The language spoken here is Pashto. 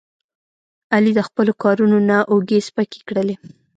علي د خپلو کارونو نه اوږې سپکې کړلې.